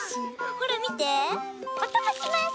ほらみておともします！